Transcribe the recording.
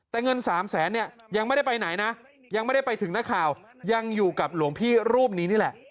แต่เงิน๓แสนเนี่ยยังไม่ได้ไปไหนนะยังไม่ได้ไปถึงนักข่าวยังอยู่กับหลวงพี่รูปนี้นี่แหละ